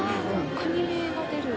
国名が出る。